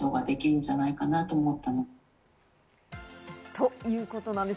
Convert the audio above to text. ということなんです。